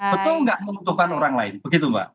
betul nggak membutuhkan orang lain begitu mbak